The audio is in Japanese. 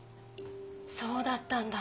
そうだったんだ。